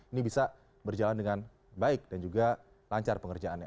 ini bisa berjalan dengan baik dan juga lancar pengerjaannya